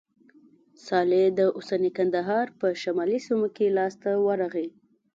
صالح د اوسني کندهار په شمالي سیمو کې لاسته ورغی.